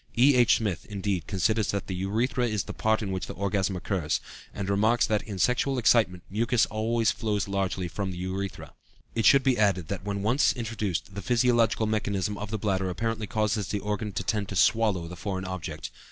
E.H. Smith, indeed, considers that "the urethra is the part in which the orgasm occurs," and remarks that in sexual excitement mucus always flows largely from the urethra. It should be added that when once introduced the physiological mechanism of the bladder apparently causes the organ to tend to "swallow" the foreign object.